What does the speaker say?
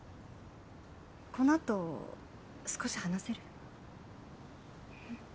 この後少し話せる？